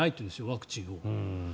ワクチンを。